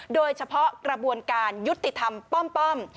โดยเฉพาะกระบวนการยุติธรรมป้อม